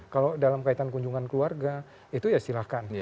kalau dalam kaitan kunjungan keluarga itu ya silahkan